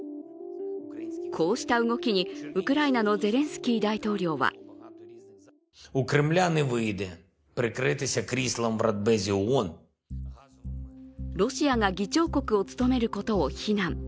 こうした動きに、ウクライナのゼレンスキー大統領はロシアが議長国を務めることを非難。